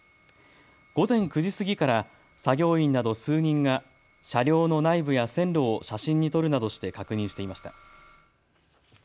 午前９時過ぎから作業員など数人が車両の内部や線路を写真に撮るなどして確認していました。